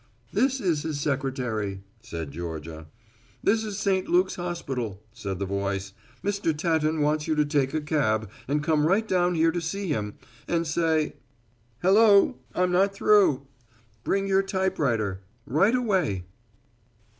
"This is his secretary," said Georgia. "This is St. Luke's hospital," said the voice. "Mr. Tatton wants you to take a cab and come right down here to see him, and say hello I'm not through bring your typewriter. Right away."